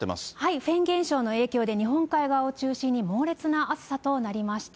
フェーン現象の影響で、日本海側を中心に猛烈な暑さとなりました。